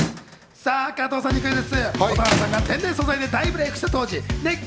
さあ加藤さんにクイズッス！